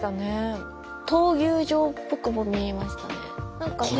闘牛場っぽくも見えましたね。